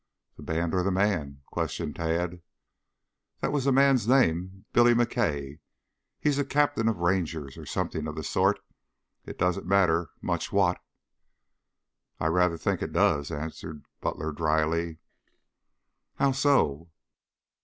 "The band or the man?" questioned Tad. "That was the man's name. Billy McKay. He's a captain of Rangers, or something of the sort, it doesn't matter much what." "I rather think it does," answered Butler dryly. "How so?"